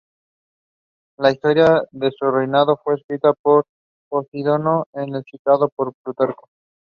La historia de su reinado fue escrita por Posidonio que es citado por Plutarco.